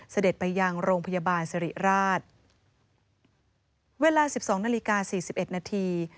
เสด็จไปยังโรงพยาบาลสิริราชเวลาสิบสองนาฬิกาสี่สิบเอ็ดนาที